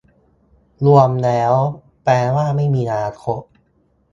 รวมแล้วแปลว่า ไม่มีอนาคต